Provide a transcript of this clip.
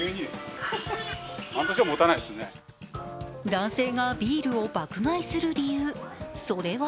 男性がビールを爆買いする理由、それは